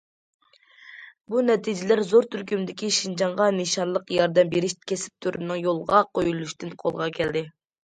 بۇ نەتىجىلەر زور تۈركۈمدىكى شىنجاڭغا نىشانلىق ياردەم بېرىش كەسىپ تۈرىنىڭ يولغا قويۇلۇشىدىن قولغا كەلدى.